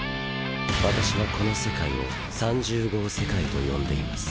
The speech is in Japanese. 私はこの世界を「３０号世界」と呼んでいます。